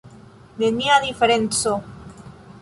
Nenia diferenco!